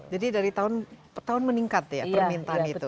jadi dari tahun meningkat ya permintaan itu